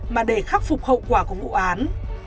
mà để khắc phục hậu quả của vụ án